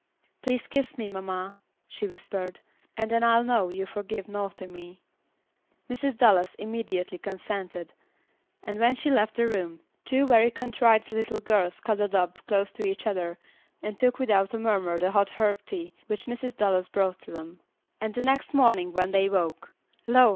"Please kiss me, mamma," she whispered, "and then I'll know you forgive naughty me." Mrs. Dallas immediately consented, and when she left the room, two very contrite little girls cuddled up close to each other, and took without a murmur the hot herb tea which Mrs. Dallas brought to them. And the next morning when they woke, lo!